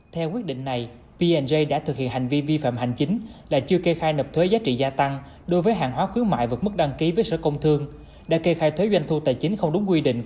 theo quyết định này png đã thực hiện hành vi vi phạm hành chính là chưa kê khai nộp thuế giá trị gia tăng đối với hàng hóa khuyến mại vượt mức đăng ký với sở công thương đã kê khai thuế doanh thu tài chính không đúng quy định